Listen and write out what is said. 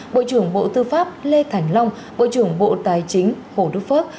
bộ trưởng bộ tư pháp lê thành long bộ trưởng bộ tài chính hồ đức phước